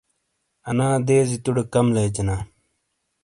آنا دیزی توڑے کم لیجینا۔